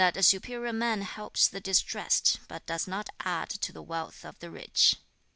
a superior man helps the distressed, but does not add to the wealth of the rich.' 3.